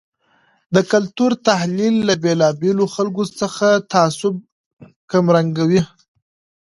د کلتور تحلیل له بیلابیلو خلګو څخه تعصب کمرنګوي.